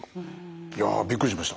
いやびっくりしました。